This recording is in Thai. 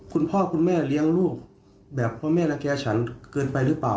คุณพ่อคุณแม่เลี้ยงลูกแบบพ่อแม่รักแก่ฉันเกินไปหรือเปล่า